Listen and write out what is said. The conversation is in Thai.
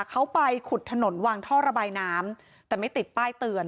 เขาไปขุดถนนวางท่อระบายน้ำแต่ไม่ติดป้ายเตือน